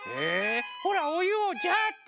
ほらおゆをジャーッて！